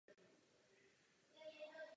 Můžete nám to, paní komisařko, zaručit?